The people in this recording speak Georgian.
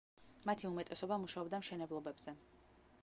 მათი უმეტესობა მუშაობდა მშენებლობებზე.